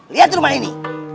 lihat rumah ini